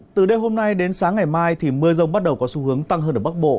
từ đêm hôm nay đến sáng ngày mai thì mưa rông bắt đầu có xu hướng tăng hơn ở bắc bộ